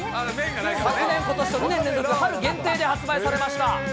昨年、ことしと２年連続春限定で発売されました。